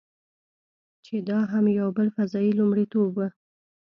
چې دا هم یو بل فضايي لومړیتوب و.